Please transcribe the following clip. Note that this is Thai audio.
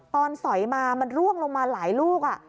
สอยมามันร่วงลงมาหลายลูก